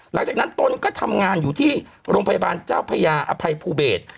หลังจากนั้นตนก็ทำงานอยู่ที่โรงพยาบาลเจ้าพญาอภัยภูเบศ